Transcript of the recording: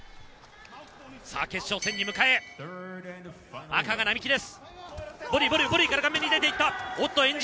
決勝戦に迎え、赤が並木です。